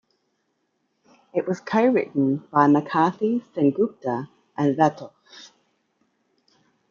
It was co-written by McCarthy, Sen-Gupta and Vatoff.